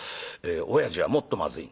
おやじはもっとまずい」。